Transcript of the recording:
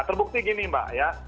terbukti gini mbak ya